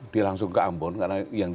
dia langsung ke ambon karena yang